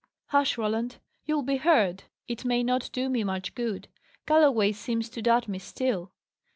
"Hush, Roland! you'll be heard. It may not do me much good. Galloway seems to doubt me still."